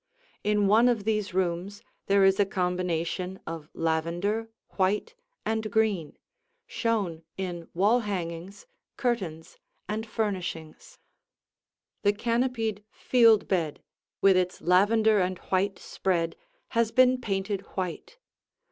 In one of these rooms there is a combination of lavender, white, and green, shown in wall hangings, curtains, and furnishings. The canopied Field bed, with its lavender and white spread, has been painted white.